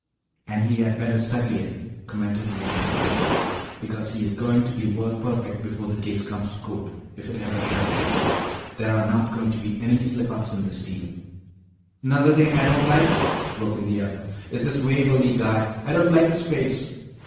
"And he had better study it," commented the other dryly, "because he is going to be word perfect before the case comes to court, if it ever does. There are not going to be any slip ups in this deal." "'Nother thing I don't like," broke in the other, "is this Waverly guy. I don't like his face."